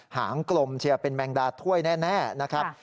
หางกลมเชียร์เป็นแมงดาถ้วยแน่นะครับ